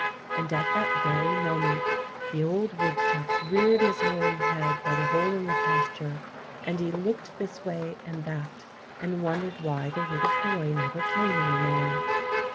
And at that very moment the old woodchuck reared his hoary head by the hole in the pasture, and he looked this way and that and wondered why the little boy never came any more.